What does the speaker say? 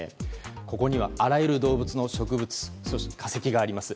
ここにはあらゆる動物、そして植物の化石があります。